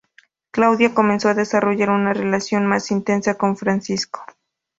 Claudia comienza a desarrollar una relación más intensa con Francisco.